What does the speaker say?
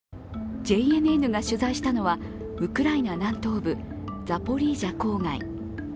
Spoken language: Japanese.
ＪＮＮが取材したのはウクライナ南東部、ザポリージャ郊外。